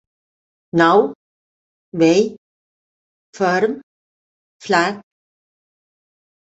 Nou? vell? ferm? flac?